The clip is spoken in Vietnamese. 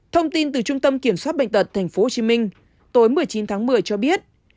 thông tin từ trung tâm kiểm soát bệnh tật tp hcm tối một mươi chín tháng một mươi cho biết